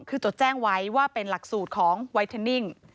คือจดแจ้งไว้ว่าเป็นหลักสูตรของไวเทนนิ่ง